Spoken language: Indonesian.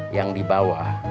yang di bawah